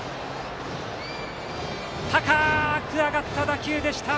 高く上がった打球でした。